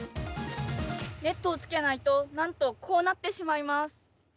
ネットをつけないとなんとこうなってしまいます。